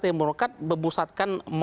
ilmu lakukan memusatkan